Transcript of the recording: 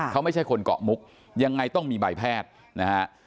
เขาไม่ใช่คนเกาะมุกยังไงต้องมีใบแพทย์นะฮะ